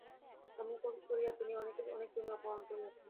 এমন করিয়া তিনি অনেকের অনেক জমি অপহরণ করিয়াছেন।